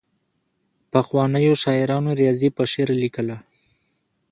پخوانیو شاعرانو ریاضي په شعر لیکله.